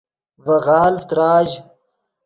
ڤے غالڤ تراژ